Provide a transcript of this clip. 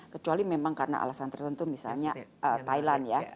kecuali memang karena alasan tertentu misalnya thailand ya